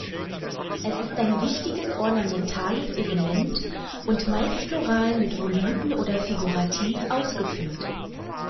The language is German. Es ist ein wichtiges ornamentales Element und meist floral, mit Voluten, oder figurativ ausgeführt.